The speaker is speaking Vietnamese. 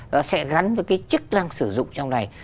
nó sẽ gắn với cái chức năng sử dụng trong này